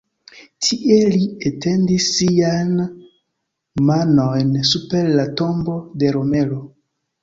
Tie li etendis siajn manojn super la tombo de Romero.